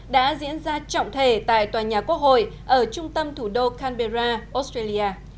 đã diễn ra trọng thể tại tòa nhà quốc hội ở trung tâm thủ đô canberra australia